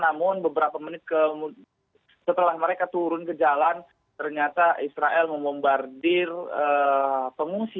namun beberapa menit setelah mereka turun ke jalan ternyata israel membombardir pengungsi